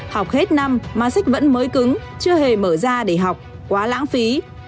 học hết năm mà sách vẫn mới cứng chưa hề mở ra để học quá lãng phí